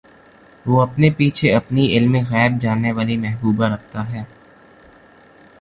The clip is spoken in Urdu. وہ اپنے پیچھے اپنی علمِغیب جاننے والی محبوبہ رکھتا ہے